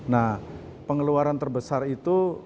nah pengeluaran terbesar itu